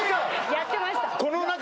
やってました